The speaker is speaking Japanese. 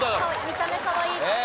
見た目かわいいから。